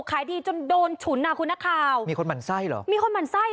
ขายดีจนโดนฉุนอ่ะคุณนักข่าวมีคนหมั่นไส้เหรอมีคนหมั่นไส้